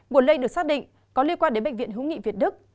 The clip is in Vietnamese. buồn lây được xác định có liên quan đến bệnh viện hữu nghị việt đức